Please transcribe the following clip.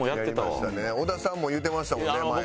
小田さんも言うてましたもんね前ね。